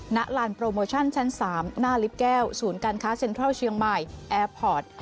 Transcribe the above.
ณลานโปรโมชั่นชั้น๓หน้าลิฟต์แก้วศูนย์การค้าเซ็นทรัลเชียงใหม่แอร์พอร์ต